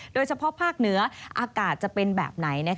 โดยเฉพาะภาคเหนืออากาศจะเป็นแบบไหน